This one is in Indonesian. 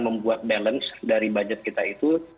membuat balance dari budget kita itu